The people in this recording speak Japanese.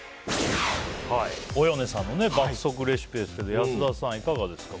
およねさんの「爆速レシピ」ですけど安田さん、いかがですか？